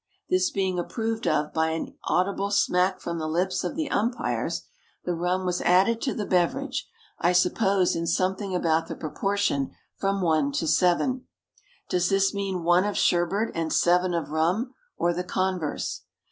This being approved of by an audible smack from the lips of the umpires, the rum was added to the beverage, I suppose, in something about the proportion from one to seven. Does this mean one of sherbet and seven of rum, or the converse?